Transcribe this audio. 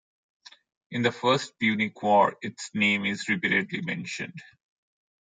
In the First Punic War its name is repeatedly mentioned.